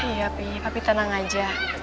iya papi papi tenang aja